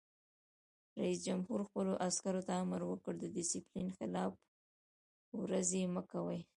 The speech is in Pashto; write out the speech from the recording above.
رئیس جمهور خپلو عسکرو ته امر وکړ؛ د ډسپلین خلاف ورزي مه کوئ!